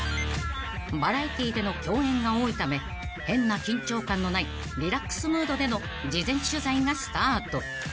［バラエティーでの共演が多いため変な緊張感のないリラックスムードでの事前取材がスタート］